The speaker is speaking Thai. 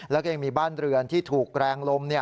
แล้วก็ยังมีบ้านเรือนที่ถูกแรงลม